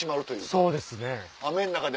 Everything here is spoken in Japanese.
そうですね。